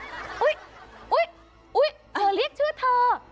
เธอเรียกชื่อเธอ